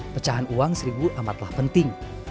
pecahan uang seribu amatlah penting